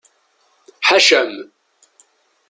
Ḥaca-m!